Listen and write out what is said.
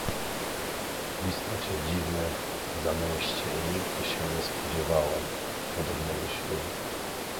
"W istocie dziwne zamęście i nigdy się nie spodziewałam podobnego ślubu."